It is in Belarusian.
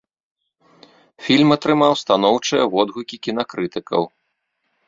Фільм атрымаў станоўчыя водгукі кінакрытыкаў.